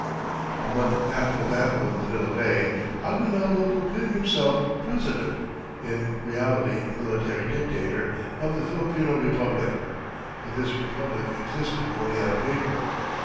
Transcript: A month after the battle of Manila Bay Aguinaldo proclaimed himself "president" (in reality military dictator) of the "Filipino Republic." But this republic existed only on paper.